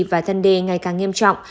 và thân đê ngày càng nghiêm trọng